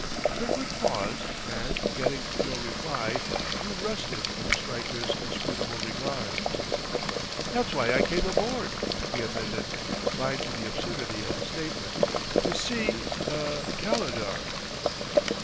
Kirkwood paused, and, getting no reply, grew restive under Stryker's inscrutable regard. "That's why I came aboard," he amended, blind to the absurdity of the statement; "to see er Calendar."